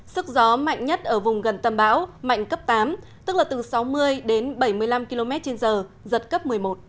sức gió mạnh nhất ở vùng gần tâm bão mạnh cấp tám tức là từ sáu mươi đến bảy mươi năm km trên giờ giật cấp một mươi một